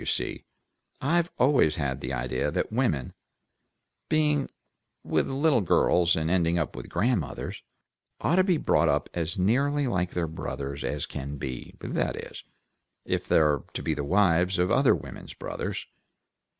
You see, I've always had the idea that women, beginning with little girls and ending with grandmothers, ought to be brought up as nearly like their brothers as can be that is, if they are to be the wives of other women's brothers.